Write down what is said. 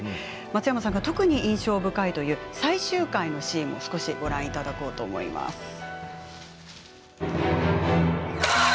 松山さんが特に印象深いという最終回のシーンも少しご覧いただこうと思います。